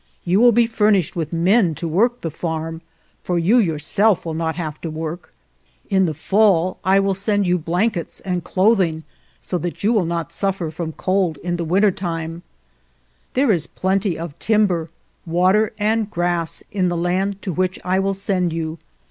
You will be fur nished with men to work the farm, for you yourself will not have to work. In the fall I will send you blankets and clothing so that o For terms of treaty see page 154. 145 GERONIMO you will not suffer from cold in the winter time. " There is plenty of timber, water, and grass in the land to which I will send you.